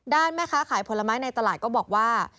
แม่ค้าขายผลไม้ในตลาดก็บอกว่า